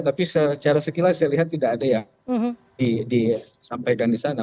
tapi secara sekilas saya lihat tidak ada yang disampaikan di sana